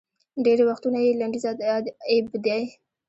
ډېری وختونه یې لنډیز اېب دی